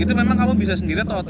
itu memang kamu bisa sendiri atau